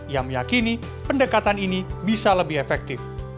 ia meyakini pendekatan ini bisa lebih efektif